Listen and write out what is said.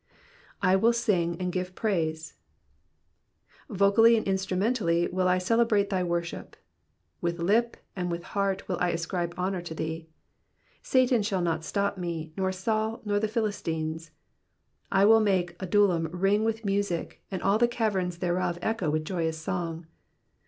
/ will sirig and give praise,'''' Vocally and instru mentally will I celebrate thy worship. With lip and with heart will I ascribe honour to thee. Satan shall not stop me, nor Baul, nor the Philistines. I will make Adullam ring with music, and all the caverns thereof echo with joyous song.